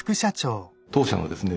当社のですね